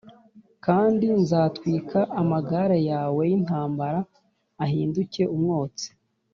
kandi nzatwika amagare yawe y’intambara ahinduke umwotsi